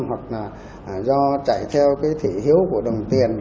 hoặc là do chạy theo cái thị hiếu của đồng tiền